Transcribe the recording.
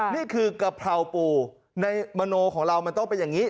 นี่คือกะเพราปูในมโนของเรามันต้องเป็นอย่างนี้